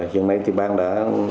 hiện nay thì bang đã